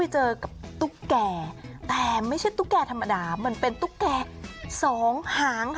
แห่งหนึ่ง